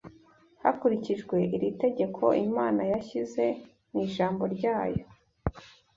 Hakurikijwe iri tegeko, Imana yashyize mu Ijambo ryayo